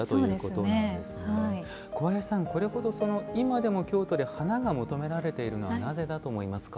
小林さん、これほど今でも京都で花が求められているのはなぜだと思いますか？